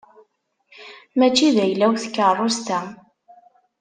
Mačči d ayla-w tkeṛṛust-a.